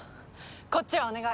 こっちはお願い。